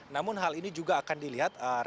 namun hal ini juga akan dilihat